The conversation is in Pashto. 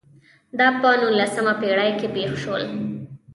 دا په نولسمه پېړۍ کې پېښ شول.